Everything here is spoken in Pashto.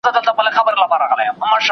د فکر ازادي د انسان طبيعي حق دی.